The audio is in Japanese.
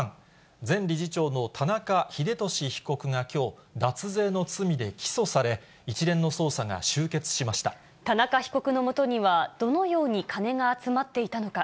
前理事長の田中英壽被告がきょう、脱税の罪で起訴され、田中被告のもとには、どのように金が集まっていたのか。